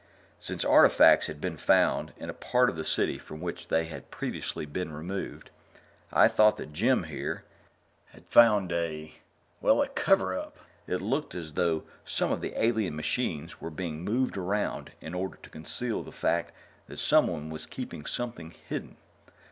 "Since artifacts had been found in a part of the City from which they had previously been removed, I thought that Jim, here, had found a ... well, a cover up. It looked as though some of the alien machines were being moved around in order to conceal the fact that someone was keeping something hidden.